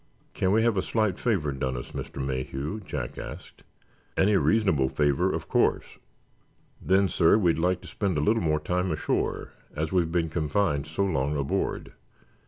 "Can we have a slight favor done us, Mr. Mayhew?" Jack asked. "Any reasonable favor, of course." "Then, sir, we'd like to spend a little time ashore, as we've been confined so long aboard.